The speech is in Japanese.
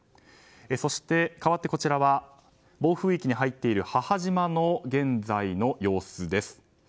そしてかわってこちらは暴風域に入っている母島の現在の様子です。